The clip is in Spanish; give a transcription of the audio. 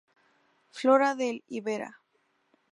Flora del Iberá.